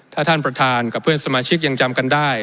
ถ้าท่านประธานกับเพื่อนสมาชิกยังจำกันได้